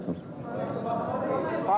terima kasih pak bapak